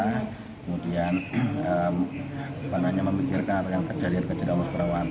kemudian penanya memikirkan atau kejadian kejadian allah swt